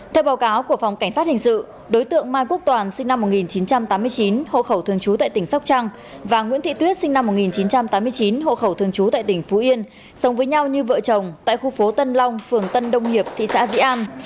theo báo cáo của phòng cảnh sát hình sự đối tượng mai quốc toàn sinh năm một nghìn chín trăm tám mươi chín hộ khẩu thường trú tại tỉnh sóc trăng và nguyễn thị tuyết sinh năm một nghìn chín trăm tám mươi chín hộ khẩu thường trú tại tỉnh phú yên sống với nhau như vợ chồng tại khu phố tân long phường tân đông hiệp thị xã dĩ an